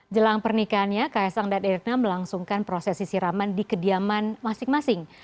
jelang pernikahannya ks angdad ericknam melangsungkan proses isiraman di kediaman masing masing